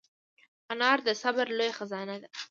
انا د صبر لویه خزانه ده